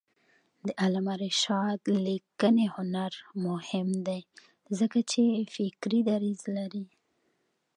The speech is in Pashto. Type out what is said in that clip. د علامه رشاد لیکنی هنر مهم دی ځکه چې فکري دریځ لري.